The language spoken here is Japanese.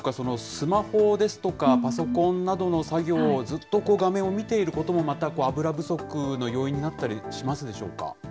スマホですとかパソコンなどの作業をずっと画面を見ていることも、また油不足の要因になったりしますでしょうか。